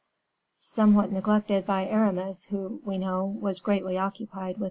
Somewhat neglected by Aramis, who, we know, was greatly occupied with M.